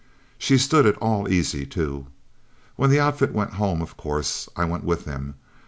She stood it all easy, too. When the outfit went home, of course I went with them.